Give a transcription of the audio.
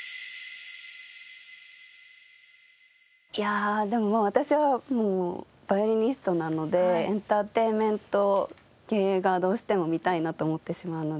いやでも私はヴァイオリニストなのでエンターテインメント系がどうしても見たいなと思ってしまうので。